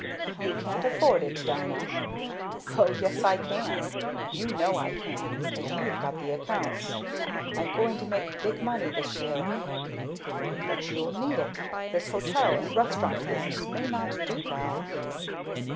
"You can't afford it, Dina!" "Oh, yes, I can you know I can, because you've got the accounts. I'm going to make big money this year." "But you'll need it. This hotel and restaurant business may not do well."